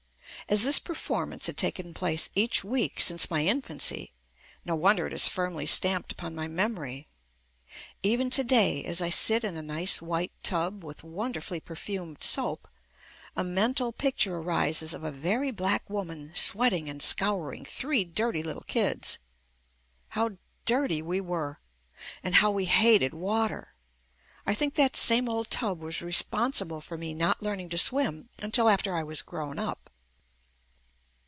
As this per formance had taken place each week since my infancy, no wonder it is firmly stamped upon my memory. Even to day, as I sit in a nice white tub with wonderfully perfumed soap, a mental picture arises of a very black woman sweating and scouring three dirty little kids. How dirty we were ! And how we hated water. I think that same old tub was responsible for me not learning to swim until after I was grown up.